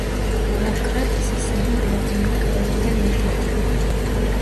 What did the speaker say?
ნავკრატისი სამი ბერძნული ქალაქიდან ერთ-ერთი იყო.